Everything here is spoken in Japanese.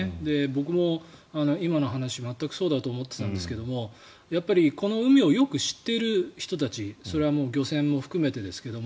僕も今の話全くそうだと思っていたんですがやっぱりこの海をよく知っている人たちそれはもう漁船も含めてですが。